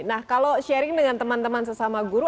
nah kalau sharing dengan teman teman sesama guru